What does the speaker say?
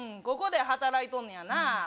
ここで働いとんのやな